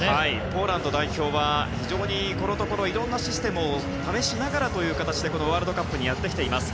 ポーランド代表はこのところいろんなシステムを試しながらこのワールドカップにやってきています。